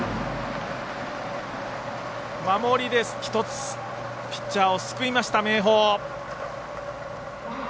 守りで１つピッチャーを救いました、明豊。